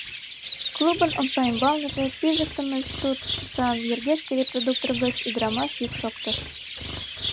Клубын омса ӱмбаланже пижыктыме сур тӱсан йыргешке репродуктор гыч ӱдрамаш йӱк шоктыш: